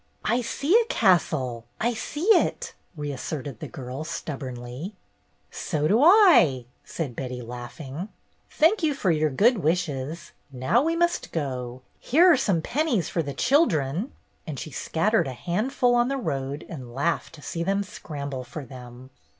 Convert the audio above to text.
"I see a castle; I see it," reasserted the girl, stubbornly. "So do I," said Betty, laughing. "Thank you for your good wishes. Now we must go. Here are some pennies for the children," and she scattered a handful on the road and laughed to see them scramble for them.